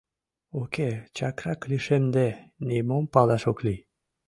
Уке, чакрак лишемде, нимом палаш ок лий».